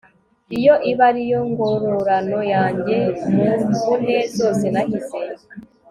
iyo iba ari yo ngororano yanjye mu mvune zose nagize